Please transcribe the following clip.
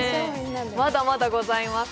まだまだございます。